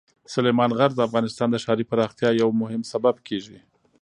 سلیمان غر د افغانستان د ښاري پراختیا یو مهم سبب کېږي.